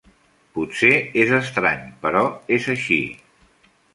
Potser és estrany, però és així!